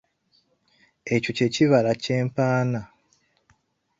Ekyo kye kibira kye mpaana.